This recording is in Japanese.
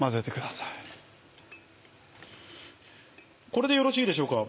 これでよろしいでしょうか？